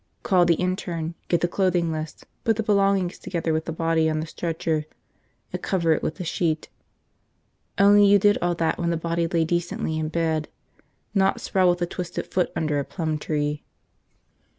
Call the intern, get the clothing list, put the belongings together with the body on the stretcher, and cover it with a sheet – only you did all that when the body lay decently in bed, not sprawled with a twisted foot under a plum tree.